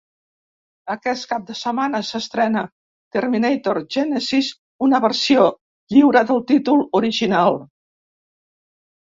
Aquest cap de setmana s’estrena ‘Terminator Génesis’, una versió lliure del títol original.